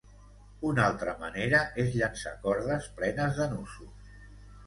Una altra manera és llançar cordes plenes de nusos.